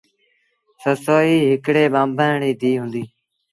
سسئيٚ هڪڙي ٻآنڀڻ ريٚ ڌيٚ هُݩديٚ۔